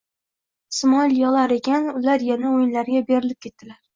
Ismoil yig'lar ekan, ular yana o'yinlariga berilib ketdilar.